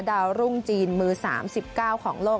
ดาวรุ่งจีนมือ๓๙ของโลก